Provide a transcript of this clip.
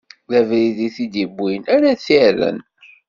D abrid i t-id-iwwin ara t-irren.